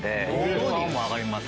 顔も上がります。